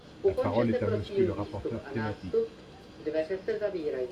La parole est à Monsieur le rapporteur thématique.